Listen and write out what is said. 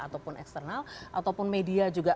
ataupun eksternal ataupun media juga